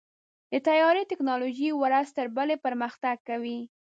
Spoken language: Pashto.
د طیارې ټیکنالوژي ورځ تر بلې پرمختګ کوي.